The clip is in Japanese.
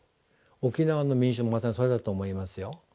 沖縄の民衆もまたそうだと思いますよ。